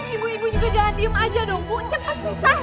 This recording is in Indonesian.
ibu ibu juga jangan diem aja dong bu cepet pisahin